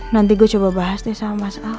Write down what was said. nanti gue coba bahas nih sama mas al